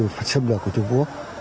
phật xâm lợi của trung quốc